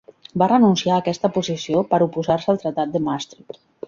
Va renunciar a aquesta posició per oposar-se al tractat de Maastricht.